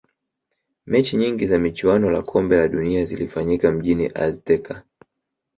mechi nyingi za michuano la kombe la dunia zilifanyika mjini azteca